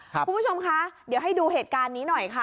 คุณผู้ชมคะเดี๋ยวให้ดูเหตุการณ์นี้หน่อยค่ะ